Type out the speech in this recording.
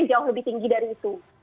jauh lebih tinggi dari itu